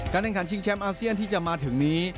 แข่งขันชิงแชมป์อาเซียนที่จะมาถึงนี้